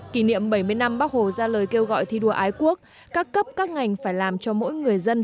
kỷ niệm bảy mươi năm bắc hồ ra lời kêu gọi thi đua ái quốc các cấp các ngành phải làm cho mỗi người dân